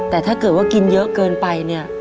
แต่ถ้าเกิดว่ากินเยอะเกินไปเนี่ย